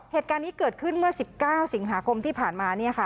เหตุการณ์นี้เกิดขึ้นเมื่อ๑๙สิงหาคมที่ผ่านมา